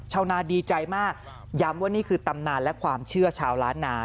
ชาวนาดีใจมากย้ำว่านี่คือตำนานและความเชื่อชาวล้านนา